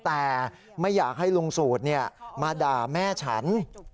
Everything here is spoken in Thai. แต่ไม่อยากให้ลุงสูตรมาด่าแม่ฉัน